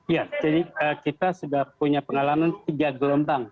ya jadi kita sudah punya pengalaman tiga gelombang